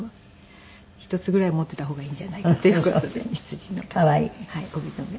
１つぐらい持っていた方がいいんじゃない？っていう事でヒツジの帯留め。